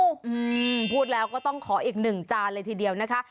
อืมพูดแล้วก็ต้องขออีกหนึ่งจานเลยทีเดียวนะคะ